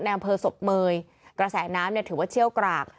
แนวเผลอสบเมย์กระแสน้ำเนี่ยถือว่าเชี่ยวกลาก